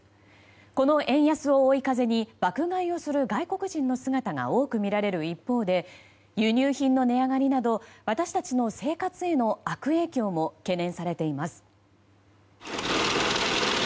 この円安を追い風に爆買いをする外国人の姿が多く見られる一方で輸入品の値上がりなど私たちの生活への悪影響も懸念されています。